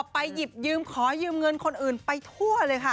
ไปหยืมคอยืมเงินคนอื่นไปทั่วเลย